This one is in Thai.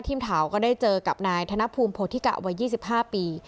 ทีมข่าวก็ได้เจอกับนายธนภูมิโพธิกะวัย๒๕ปี